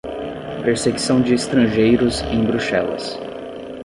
Perseguição de Estrangeiros em Bruxelas